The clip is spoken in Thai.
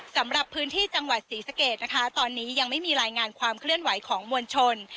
สำหรับพื้นที่จังหวัดศรีสะเกดนะคะตอนนี้ยังไม่มีรายงานความเคลื่อนไหวของมวลชน